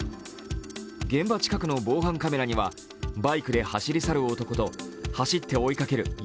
現場近くの防犯カメラにはバイクで走り去る男と走って追いかける